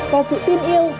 và sự tin yêu